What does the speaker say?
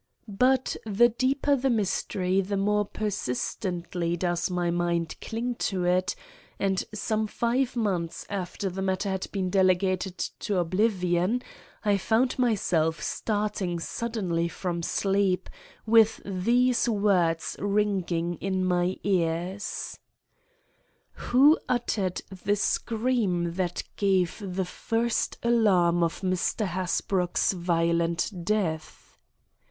But the deeper the mystery the more persistently does my mind cling to it, and some five months after the matter had been delegated to oblivion, I found myself starting suddenly from sleep, with these words ringing in my ears: "_Who uttered the scream that gave the first alarm of Mr. Hasbrouck's violent death?